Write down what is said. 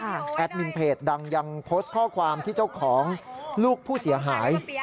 แอดมินเพจดังยังโพสต์ข้อความที่เจ้าของลูกผู้เสียหาย